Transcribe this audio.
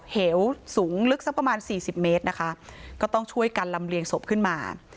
เหวสูงลึกสักประมาณสี่สิบเมตรนะคะก็ต้องช่วยกันลำเลียงศพขึ้นมา